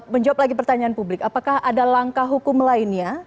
menjawab lagi pertanyaan publik apakah ada langkah hukum lainnya